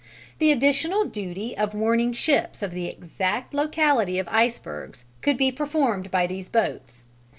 The additional duty of warning ships of the exact locality of icebergs could be performed by these boats.